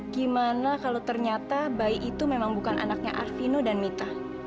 gimana kalau ternyata bayi itu memang bukan anaknya arvino dan mita